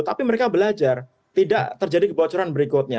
tapi mereka belajar tidak terjadi kebocoran berikutnya